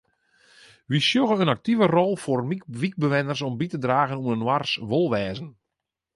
Wy sjogge in aktive rol foar wykbewenners om by te dragen oan inoars wolwêzen.